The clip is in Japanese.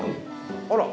あら。